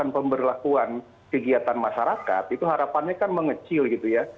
dan pemberlakuan kegiatan masyarakat itu harapannya kan mengecil gitu ya